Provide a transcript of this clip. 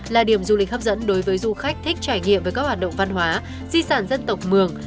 là điểm du lịch hấp dẫn đối với du khách thích trải nghiệm về các hoạt động văn hóa di sản dân tộc mường